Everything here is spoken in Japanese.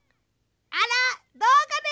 あらどうかね？